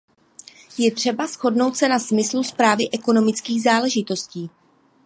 Je třeba shodnout se na smyslu správy ekonomických záležitostí.